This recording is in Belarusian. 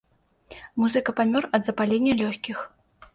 Музыка памёр ад запалення лёгкіх.